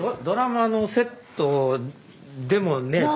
ドラマのセットでもね